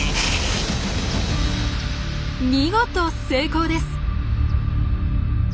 見事成功です！